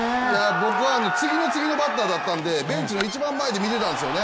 僕は次の次のバッターだったんで、ベンチの一番前で見てたんですよね。